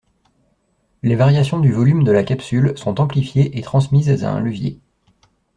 Les variations du volume de la capsule sont amplifiées et transmises à un levier.